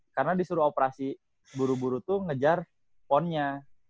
karena disuruh operasi buru buru tuh ngejar ponnya